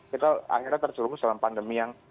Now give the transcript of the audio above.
kita akhirnya terjerumus dalam pandemi yang